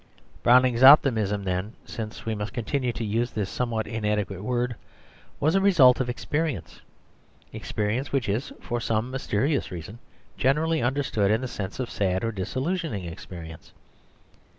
Browning's optimism then, since we must continue to use this somewhat inadequate word, was a result of experience experience which is for some mysterious reason generally understood in the sense of sad or disillusioning experience.